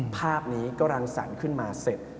ภาพนี้ก็รังสรรค์ขึ้นมาเสร็จ